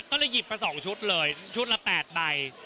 ก็เลยหยิบมา๒ชุดเลยชุดละ๘ใบ